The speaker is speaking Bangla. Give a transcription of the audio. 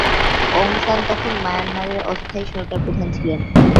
অং সান তখন মায়ানমারের অস্থায়ী সরকারের প্রধান ছিলেন।